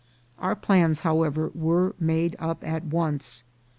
Our plans, however, were made up at once.